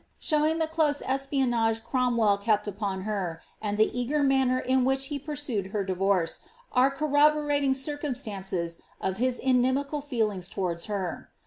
127 showing the close espionage Cromwell kept upon her, and the eager manner in which he pursued her divorce, are corroborating circum Btauces of his inimical feeling towards her.'